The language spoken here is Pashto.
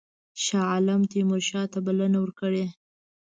شاه عالم تیمورشاه ته بلنه ورکړې.